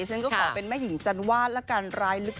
ฉันก็ขอเป็นแม่หญิงจันวาดละกันร้ายลึก